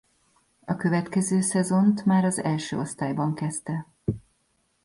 A következő szezont már az első osztályban kezdte.